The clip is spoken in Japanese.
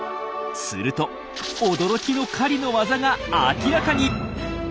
すると驚きの狩りの技が明らかに！